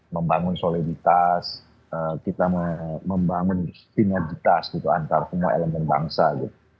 membangun soliditas kita membangun sinergitas gitu antar semua elemen bangsa gitu